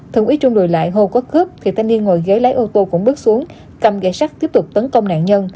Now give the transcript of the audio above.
thượng úy trung đùi lại hô có cướp thì thanh niên ngồi ghế lái ô tô cũng bước xuống cầm gãy sắt tiếp tục tấn công nạn nhân